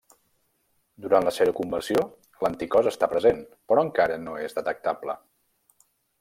Durant la seroconversió, l'anticòs està present, però encara no és detectable.